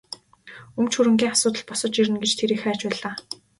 Өмч хөрөнгийн асуудал босож ирнэ гэж тэр их айж байлаа.